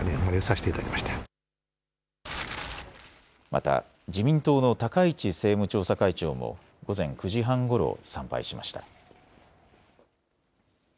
また自民党の高市政務調査会長も午前９時半ごろ参拝しました。